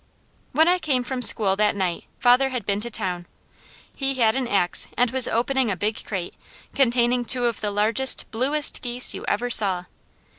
When I came from school that night father had been to town. He had an ax and was opening a big crate, containing two of the largest, bluest geese you ever saw.